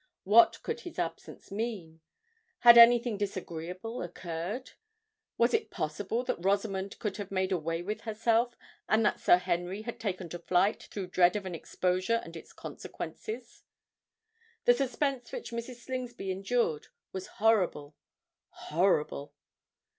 What could his absence mean?—had any thing disagreeable occurred?—was it possible that Rosamond could have made away with herself, and that Sir Henry had taken to flight through dread of an exposure and its consequences? The suspense which Mrs. Slingsby endured, was horrible—horrible!